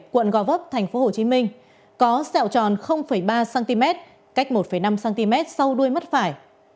quận gò vấp tp hcm có xẹo tròn ba cm cách một năm cm sau đuôi mất phải